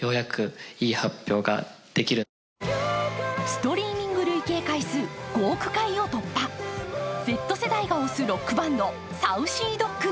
ストリーミング累計回数５億回を突破、Ｚ世代が推すＳａｕｃｙＤｏｇ。